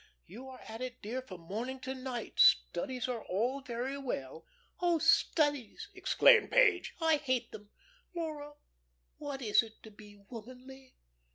You are at it, dear, from morning till night. Studies are all very well " "Oh, studies!" exclaimed Page. "I hate them. Laura, what is it to be womanly?"